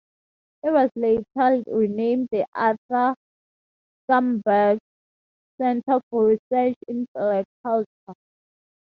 It was later renamed the Arthur Schomburg Center for Research in Black Culture.